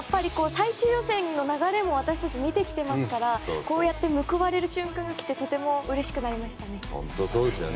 最終予選の流れも私たち、見てきてますからこうやって報われる瞬間が来てとてもうれしくなりました。